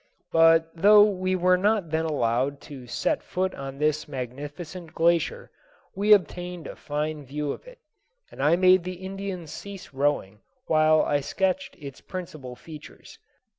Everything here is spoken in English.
But though we were not then allowed to set foot on this magnificent glacier, we obtained a fine view of it, and I made the Indians cease rowing while I sketched its principal features.